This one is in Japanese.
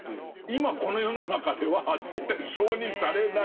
今この世の中では絶対承認されない。